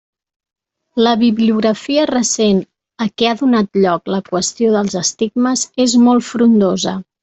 La bibliografia recent a què ha donat lloc la qüestió dels estigmes és molt frondosa.